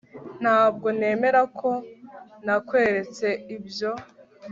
Ntabwo nemera ko nakweretse ibyo